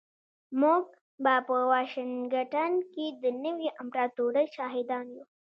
موږ به په واشنګټن کې د نوې امپراتورۍ شاهدان یو